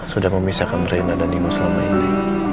sudah memisahkan reinna dan ibu selama ini